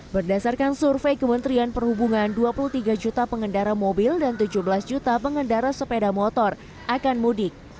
berdasarkan survei kementerian perhubungan dua puluh tiga juta pengendara mobil dan tujuh belas juta pengendara sepeda motor akan mudik